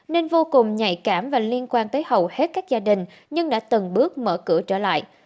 nên vô cùng nhạy cảm và liên quan tới hầu hết các gia đình nhưng đã từng bước mở cửa trở lại